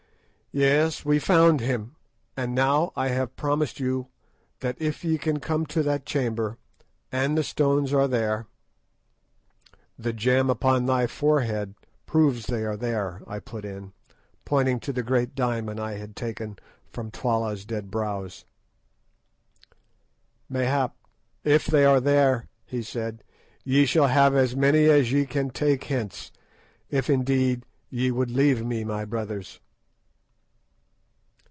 "Yes, we found him. And now I have promised you that if ye can come to that chamber, and the stones are there—" "The gem upon thy forehead proves that they are there," I put in, pointing to the great diamond I had taken from Twala's dead brows. "Mayhap; if they are there," he said, "ye shall have as many as ye can take hence—if indeed ye would leave me, my brothers."